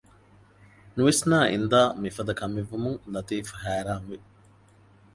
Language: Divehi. ނުވިސްނައި އިންދާ މިފަދަ ކަމެއްވުމުން ލަތީފް ހައިރާންވި